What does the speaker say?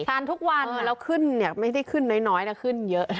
ทานทุกวันแล้วขึ้นเนี่ยไม่ได้ขึ้นน้อยนะขึ้นเยอะ